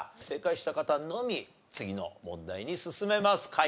正解した方のみ次の問題に進めます。